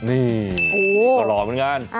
นี่ก็หล่อเหมือนกัน